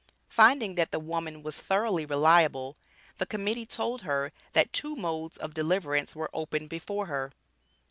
Finding that the woman was thoroughly reliable, the Committee told her "that two modes of deliverance were open before her.